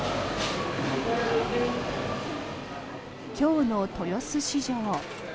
今日の豊洲市場。